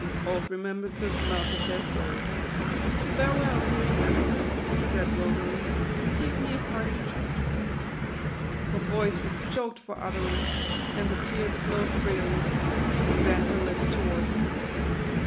Old remembrances melted their souls. " Farewell, dear est Edward," said Rosalie. " Give me a parting kiss." Her voice was choked for utterance, and the tears flowed freely, as she bent her lips toward him.